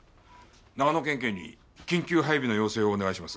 長野県警に緊急配備の要請をお願いします。